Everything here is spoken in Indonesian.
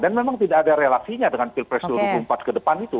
dan memang tidak ada relasinya dengan pilpres dua ribu empat ke depan itu